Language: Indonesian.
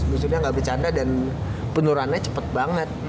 maksudnya ga bercanda dan penurannya cepet banget